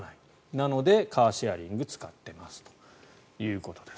なのでカーシェアを使っているということです。